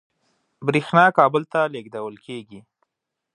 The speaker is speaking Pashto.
برېښنا کابل ته لېږدول کېږي.